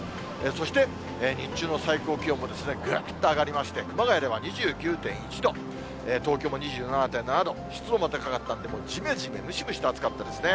そして、日中の最高気温もぐーっと上がりまして、熊谷では２９．１度、東京も２７．７度、湿度も高かったんで、もう、じめじめ、ムシムシと暑かったですね。